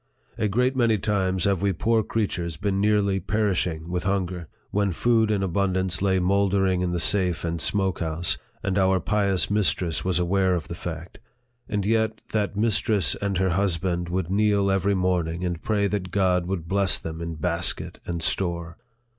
A great many times have we poor creatures been nearly perishing with hunger, when food in abundance lay mouldering in the safe and smoke house, and our pious mistress was aware of the fact ; and yet that mistress and her husband would kneel every morning, and pray that God would bless them in basket and store